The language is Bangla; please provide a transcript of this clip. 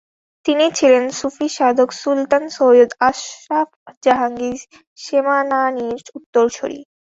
তিনি ছিলেন সুফি সাধক সুলতান সৈয়দ আশরাফ জাহাঙ্গীর সেমনানির উত্তরসূরি।